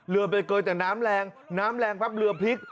เรือไปเกยแต่น้ำแรงน้ำแรงปั๊บเรือพลิก